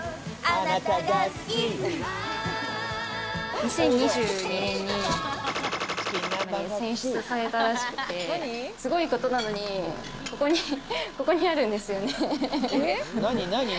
２０２２年に、に選出されたらしくて、すごいことなのに、ここにあるんですよね。